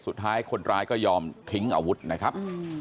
สุดท้ายคนร้ายก็ยอมทิ้งอาวุธนะครับ